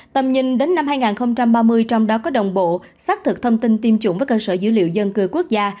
tầm nhìn đến năm hai nghìn ba mươi trong đó có đồng bộ xác thực thông tin tiêm chủng với cơ sở dữ liệu dân cư quốc gia